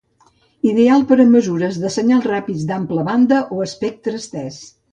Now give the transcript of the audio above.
Ideal per a les mesures de senyals ràpids d'ampla banda o espectre estès.